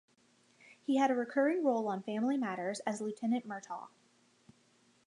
He had a recurring role on "Family Matters" as Lieutenant Murtaugh.